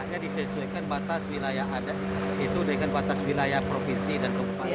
adanya disesuaikan batas wilayah adat itu dengan batas wilayah provinsi dan kebupatannya